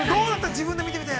自分で見てみて。